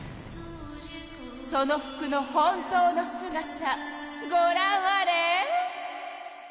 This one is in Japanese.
その服の本当のすがたごらんあれ！